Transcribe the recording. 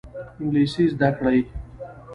انګلیسي زده کړئ